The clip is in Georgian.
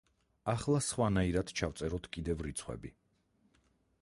ახლა სხვა ნაირად ჩავწეროთ კიდევ რიცხვები.